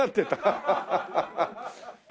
ハハハハッ。